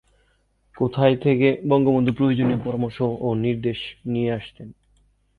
কোথায় থেকে বঙ্গবন্ধুর প্রয়োজনীয় পরামর্শ ও নির্দেশ নিয়ে আসতেন?